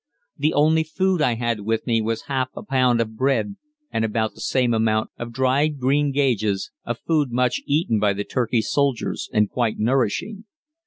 The only food I had with me was half a pound of bread and about the same amount of dried greengages, a food much eaten by the Turkish soldiers and quite nourishing.